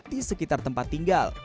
di sekitar tempat tinggal